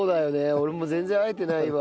俺も全然会えてないわ。